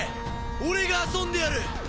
俺が遊んでやる。